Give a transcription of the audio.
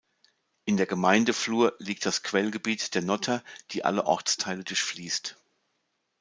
In der Gemeindeflur liegt das Quellgebiet der Notter, die alle Ortsteile durchfließt.